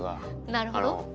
なるほど。